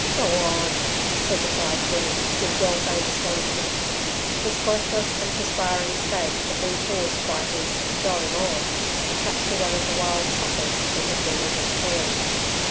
"Go on!" said the bridegroom, with well feigned astonishment. His breathless and perspiring state had been caused by his "going on" to capture one of the wild suckers that had been eating Polly.